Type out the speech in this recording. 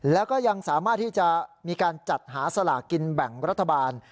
แล้วก็ยังสามารถที่จะมีการจัดหาสลากินแบ่งรัฐบาล